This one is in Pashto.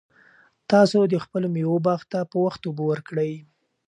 تاسو د خپلو مېوو باغ ته په وخت اوبه ورکړئ.